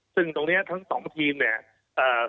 ซึ่งตรงเนี้ยทั้งสองทีมเนี่ย